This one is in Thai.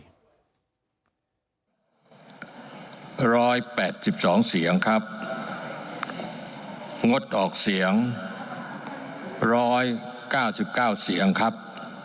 ร้อยแปดสิบสองเสียงครับงดออกเสียงร้อยเก้าสิบเก้าเสียงครับ